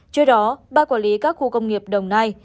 trước đó ba quản lý các khu công nghiệp đồng nai